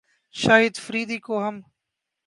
شاہد فریدی کو ہم